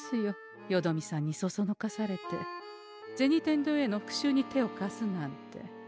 よどみさんにそそのかされて銭天堂へのふくしゅうに手を貸すなんて。